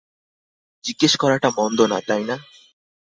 জিজ্ঞেস করাটা মন্দ না, তাই না?